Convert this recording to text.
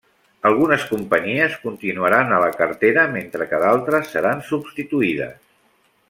Algunes companyies continuaran a la cartera mentre que d'altres seran substituïdes.